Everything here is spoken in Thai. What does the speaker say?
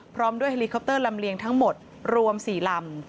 พร้อมด้วยเฮลิคอปเตอร์ลำเลียงทั้งหมดรวม๔ลำ